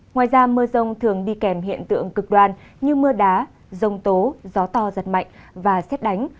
ngoài ra mưa rông thường đi kèm hiện tượng cực đoan như mưa đá rông tố gió to giật mạnh và xét đánh